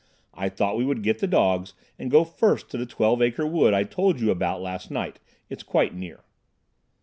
I thought we would get the dogs and go first to the Twelve Acre Wood I told you about last night. It's quite near."